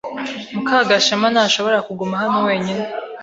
Mukagashema ntashobora kuguma hano wenyine.